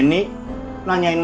nanyain masalah wayang golek